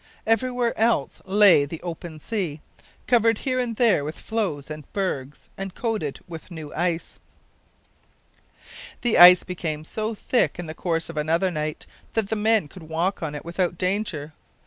Everywhere else lay the open sea, covered here and there with floes and bergs, and coated with new ice. This ice became so thick in the course of another night that the men could walk on it without danger.